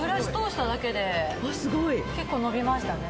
結構伸びましたね。